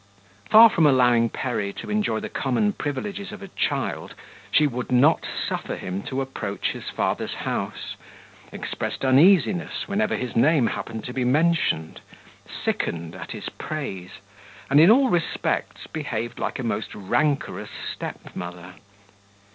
Far from allowing Perry to enjoy the common privileges of a child, she would not suffer him to approach his father's house, expressed uneasiness whenever his name happened to be mentioned, sickened at his praise, and in all respects behaved like a most rancorous step mother.